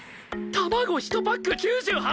卵１パック９８円！？